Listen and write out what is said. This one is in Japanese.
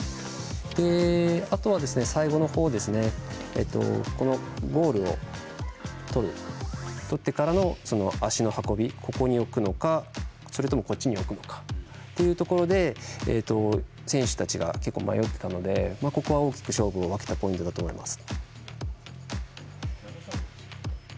あとは、最後の方ゴールをとってからの足の運び、ここに置くのかそれともこっちに置くのかというところで選手たちが結構迷っていたのでここは大きく勝負を分けたポイントだと思います。